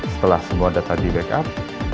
setelah semua data di backup